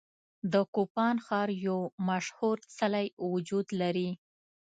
د کوپان ښار یو مشهور څلی وجود لري.